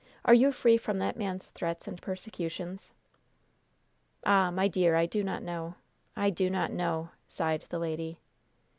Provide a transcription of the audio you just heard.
Are you free from that man's threats and persecutions?" "Ah, my dear, I do not know! I do not know!" sighed the lady.